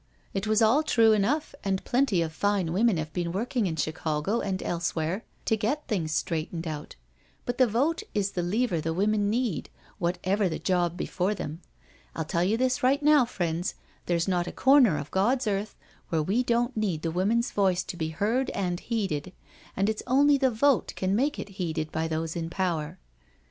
It was all true enough, and plenty of fine women have been working in Chicago and else where to get things straightened out, but the vote is the lever the women need, whatever the job before them. I'll tell you this right now, friends, there's not a comer of God's earth where we don't need the Woman's voice to be heard and heeded, and it's only the vote can make it heeded by those in power.